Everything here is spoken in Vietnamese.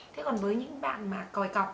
thế còn với những bạn mà còi cọc